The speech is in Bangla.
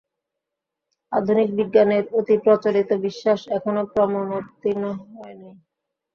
আধুনিক বিজ্ঞানের অতিপ্রচলিত বিশ্বাস এখনও প্রমাণোত্তীর্ণ হয় নাই।